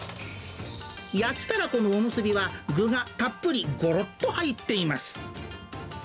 焼きたらこのおむすびは、具がたっぷり、ごろっと入っています。